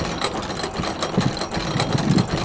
جت چآور پوکيآ وهيٚتآ۔